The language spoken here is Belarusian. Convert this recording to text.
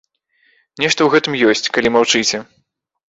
Нешта ў гэтым ёсць, калі маўчыце.